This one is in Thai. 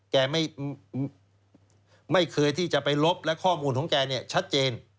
แกไม่เคยที่จะไปลบและข้อมูลของแกเนี่ยชัดเจน